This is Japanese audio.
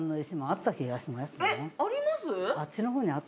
あっちのほうに。